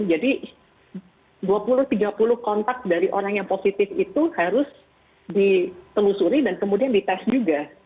jadi dua puluh tiga puluh kontak dari orang yang positif itu harus ditelusuri dan kemudian dites juga